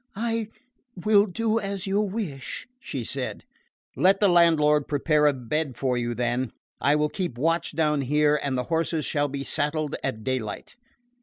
"I will do as you wish," she said. "Let the landlord prepare a bed for you, then. I will keep watch down here and the horses shall be saddled at daylight."